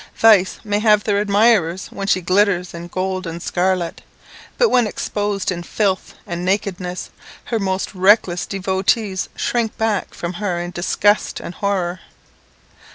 Vice may have her admirers when she glitters in gold and scarlet; but when exposed in filth and nakedness, her most reckless devotees shrink back from her in disgust and horror.